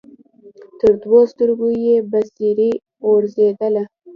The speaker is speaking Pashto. تر دوو سترګو یې بڅري غورځېدله